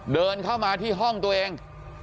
เดินเข้ามาที่ห้องตัวเอง